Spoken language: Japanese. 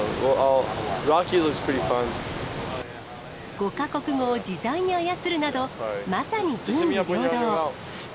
５か国語を自在に操るなど、まさに文武両道。